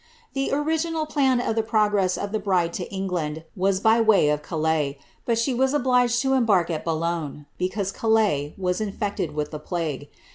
The original plan of the progress of the bride to England was by way of Calais, but she was obliged to embark at Boulogne, because Calais was infected with the plague.